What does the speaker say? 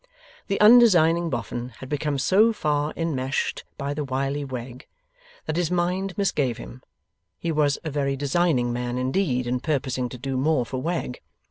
The undesigning Boffin had become so far immeshed by the wily Wegg that his mind misgave him he was a very designing man indeed in purposing to do more for Wegg.